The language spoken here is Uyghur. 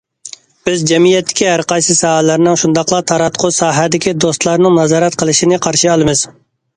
بىز جەمئىيەتتىكى ھەرقايسى ساھەلەرنىڭ، شۇنداقلا تاراتقۇ ساھەدىكى دوستلارنىڭ نازارەت قىلىشىنى قارشى ئالىمىز.